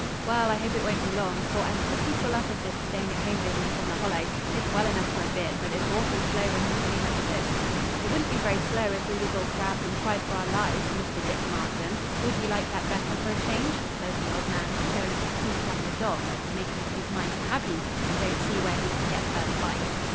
'Well, I hope it won't be long, for I'm pretty full up of this staying at home business in the Hollow. It's well enough for a bit, but it's awful slow when you've too much of it.' 'It wouldn't be very slow if we was all grabbed and tried for our lives, Mr. Dick Marston. Would ye like that better for a change?' says the old man, showing his teeth like a dog that's making up his mind to have ye and don't see where he's to get first bite.